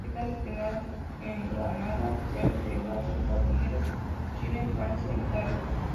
Están destinados en Granada oficiales de enlace de Estados Unidos, Chile, Francia e Italia.